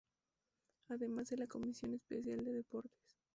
Además de la Comisión Especial de Deportes.